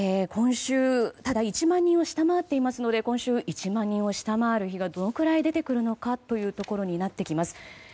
ただ１万人を下回っていますので今週、１万人を下回る日がどのくらい出てくるのかということになってきます。